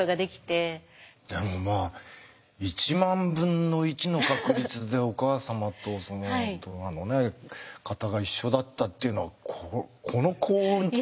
でもまあ１万分の１の確率でお母様とドナーの型が一緒だったっていうのはこの幸運はすごいですね。